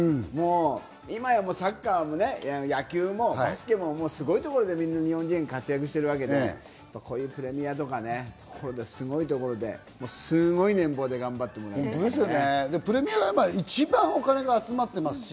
今やサッカーもね、野球もバスケもすごいところでみんな日本人が活躍しているわけで、プレミアとかね、すごいところですんごい年俸で頑張ってほしいね。